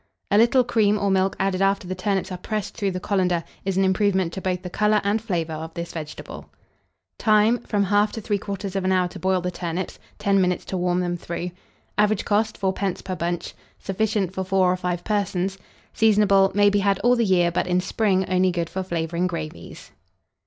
A little cream or milk added after the turnips are pressed through the colander, is an improvement to both the colour and flavour of this vegetable. Time. From 1/2 to 3/4 hour to boil the turnips; 10 minutes to warm them through. Average cost, 4d. per bunch. Sufficient for 4 or 5 persons. Seasonable. May be had all the year; but in spring only good for flavouring gravies.